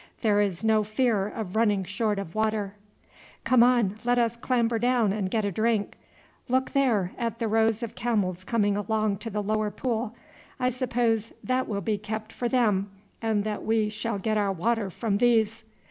"There is no fear of running short of water. Come on, let us clamber down and get a drink. Look there, at the rows of camels coming along to the lower pool. I suppose that will be kept for them, and that we shall get our water from these."